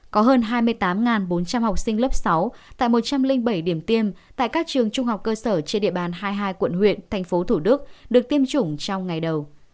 có hơn hai mươi tám bốn trăm linh học sinh lớp sáu tại một trăm linh bảy điểm tiêm tại các trường trung học cơ sở trên địa bàn hai mươi hai quận huyện thành phố thủ đức được tiêm chủng trong ngày đầu